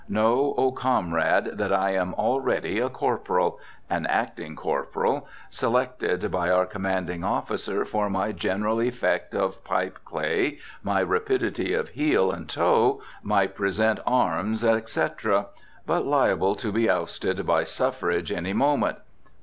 Know, O comrade, that I am already a corporal, an acting corporal, selected by our commanding officer for my general effect of pipe clay, my rapidity of heel and toe, my present arms, etc., but liable to be ousted by suffrage any moment.